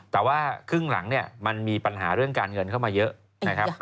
แต่ว่าครึ่งหลังเนี่ยมันมีปัญหาเรื่องการเงินเข้ามาเยอะนะครับ